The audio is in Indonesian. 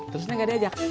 terusnya gak diajak